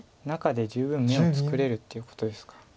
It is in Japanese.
中で十分眼を作れるっていうことですか。